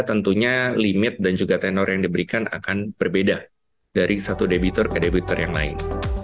tentunya limit dan juga tenor yang diberikan akan berbeda dari satu debitor ke debitor yang lain